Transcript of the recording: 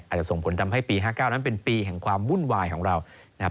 ส่งผลทำให้ปี๕๙นั้นเป็นปีแห่งความวุ่นวายของเรานะครับ